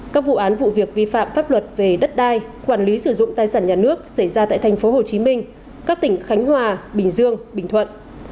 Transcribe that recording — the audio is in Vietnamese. các vụ án vụ việc vi phạm pháp luật về đất đai quản lý sử dụng tài sản nhà nước xảy ra tại tp hcm các tỉnh khánh hòa bình dương bình thuận